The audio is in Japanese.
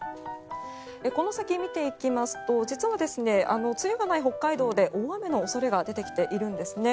この先見ていきますと実は、梅雨がない北海道で大雨の恐れが出てきているんですね。